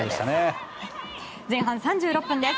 前半３６分です。